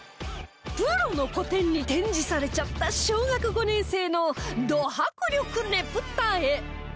プロの個展に展示されちゃった小学５年生のド迫力ねぷた絵